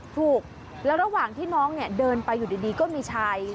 ถูกแล้วระหว่างที่น้องเนี่ยเดินไปอยู่ดีก็มีชาย